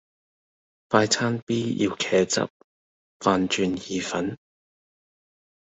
快餐 B 要茄汁,飯轉意粉